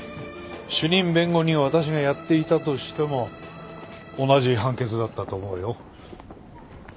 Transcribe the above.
主任弁護人を私がやっていたとしても同じ判決だったと思うよ。